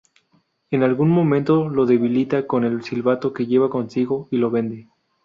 En algún momento lo debilita con el silbato que lleva consigo y lo vence.